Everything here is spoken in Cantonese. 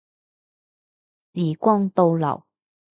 時光倒流